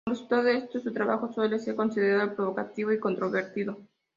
Como resultado de esto, su trabajo suele ser considerado provocativo y controvertido.